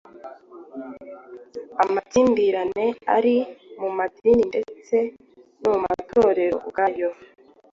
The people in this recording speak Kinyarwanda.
amakimbirane ari mu madini ndetse no mu matorero ubwayo.